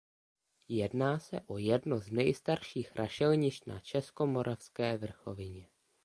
Jedná se o jedno z nejstarších rašelinišť na Českomoravské vrchovině.